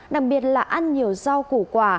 đặc biệt là ăn nhiều rau củ quả